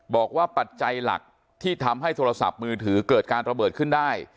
ปัจจัยหลักที่ทำให้โทรศัพท์มือถือเกิดการระเบิดขึ้นได้